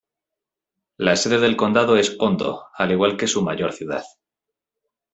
La sede del condado es Hondo, al igual que su mayor ciudad.